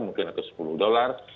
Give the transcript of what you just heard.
mungkin atau sepuluh dolar